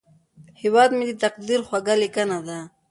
هیواد مې د تقدیر خوږه لیکنه ده